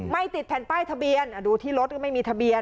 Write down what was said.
ติดแผ่นป้ายทะเบียนดูที่รถก็ไม่มีทะเบียน